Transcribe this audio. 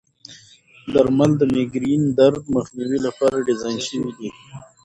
درمل د مېګرین درد مخنیوي لپاره ډیزاین شوي دي.